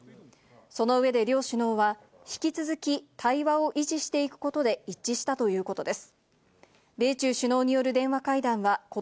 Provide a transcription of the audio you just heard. その上で両首脳は、引き続き対話を維持していくことで一致したということです。